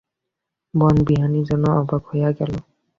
বনবিহারী যেন অবাক হইয়া গেল।